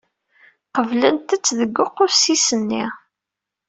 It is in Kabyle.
Qeblent-tt deg uqusis-nni.